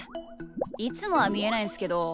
いつもはみえないんすけど。